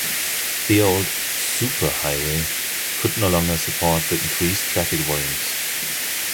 The old "super" highway could no longer support the increased traffic volumes.